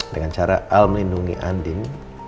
dengan cara al melindungi andin